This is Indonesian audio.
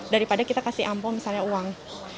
daripada kita kasih ampo misalnya uang